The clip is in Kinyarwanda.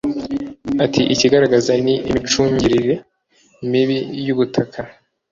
Ati “Ikigaragara ni imicungirire mibi y’ubutaka